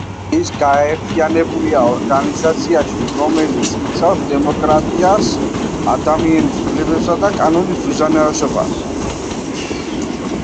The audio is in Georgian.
ის გაერთიანებულია ორგანიზაციაში, რომელიც იცავს დემოკრატიას, ადამიანის უფლებებსა და კანონის უზენაესობას.